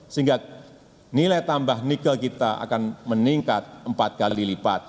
sehingga nilai tambah nikel kita akan meningkat empat kali lipat